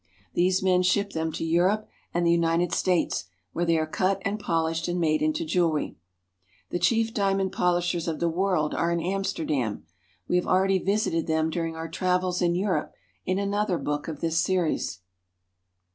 These men ship them to Europe and the United States, where they are cut and polished and made into jewelry. The. chief diamond polishers of the world are in Amsterdam ; we have already visited them during our travels in Europe, in another book of this series.